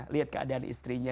lihat keadaan istrinya